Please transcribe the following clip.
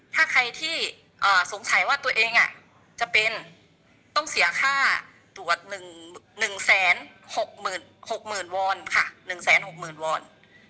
ถ้าใครที่สงสัยว่าตัวเองจะเป็นต้องเสียค่าตรวจ๑๖๐๐๐วอนค่ะ๑๖๐๐๐วอน